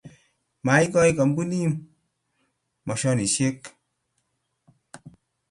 maikoi kampunii moshonishek